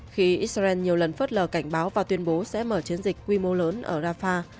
khi israel nhiều lần phớt lờ cảnh báo và tuyên bố sẽ mở chiến dịch quy mô lớn ở rafah